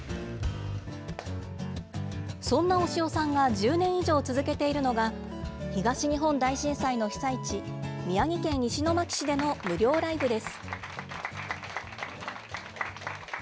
そんな押尾さんが１０年以上続けているのが、東日本大震災の被災地、宮城県石巻市での無料ライブです。